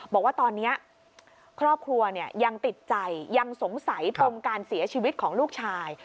บอกว่าตอนนี้ครอบครัวยังติดใจยังสงสัยปมการเสียชีวิตของลูกชาย